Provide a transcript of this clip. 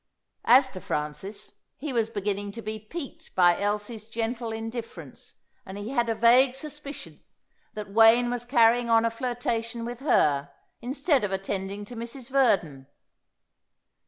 As to Francis, he was beginning to be piqued by Elsie's gentle indifference, and he had a vague suspicion that Wayne was carrying on a flirtation with her instead of attending to Mrs. Verdon.